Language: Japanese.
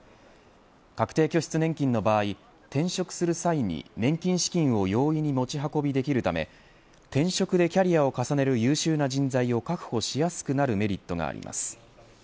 確定拠出年金の場合転職する際に年金資金を容易に持ち運びできるため転職でキャリアを重ねる優秀な人材を、確保しやすくなるメリットがあります。